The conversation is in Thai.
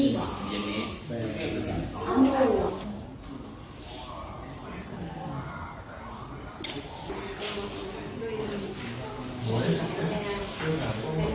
สวัสดีครับ